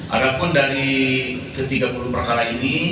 ada pun dari ke tiga puluh perkara ini